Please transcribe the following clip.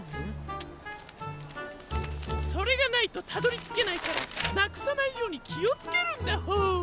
それがないとたどりつけないからなくさないようにきをつけるんだホォー。